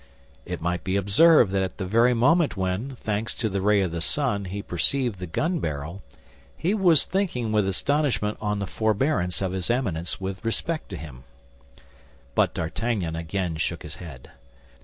It may be observed that at the very moment when, thanks to the ray of the sun, he perceived the gun barrel, he was thinking with astonishment on the forbearance of his Eminence with respect to him. But D'Artagnan again shook his head.